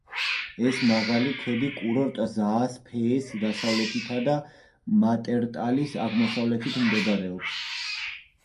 ეს მაღალი ქედი კურორტ ზაას-ფეეს დასავლეთითა და მატერტალის აღმოსავლეთით მდებარეობს.